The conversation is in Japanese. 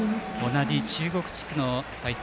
同じ中国地区の対戦。